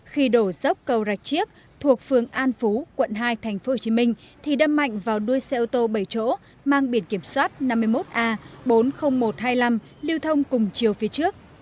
khi đổ dốc cầu rạch chiếc thuộc phường an phú quận hai tp hcm thì đâm mạnh vào đuôi xe ô tô bảy chỗ mang biển kiểm soát năm mươi một a bốn mươi nghìn một trăm hai mươi năm lưu thông cùng chiều phía trước